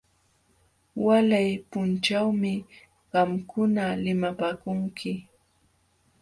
Walay punchawmi qamkuna limapaakunki.